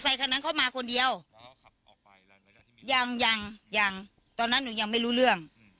ยังยังยังตอนนั้นหนูยังไม่รู้เรื่อง